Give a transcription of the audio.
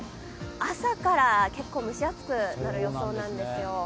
朝から結構蒸し暑くなる予想なんですよ。